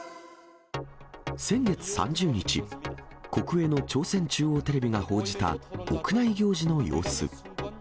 先月３０日、国営の朝鮮中央テレビが報じた屋内行事の様子。